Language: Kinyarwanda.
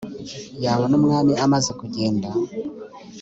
yabona umwami amaze kugenda